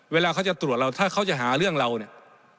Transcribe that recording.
เวลาเขาจะตรวจเราถ้าเขาจะหาเรื่องเราเนี่ย